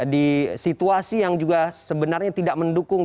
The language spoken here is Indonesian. di situasi yang juga sebenarnya tidak mendukung